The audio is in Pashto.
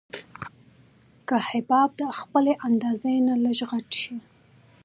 که حباب د خپلې اندازې نه لږ غټ شي.